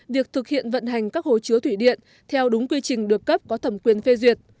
việc thực hiện vận hành các hồ chứa thủy điện theo đúng quy trình được cấp có thẩm quyền phê duyệt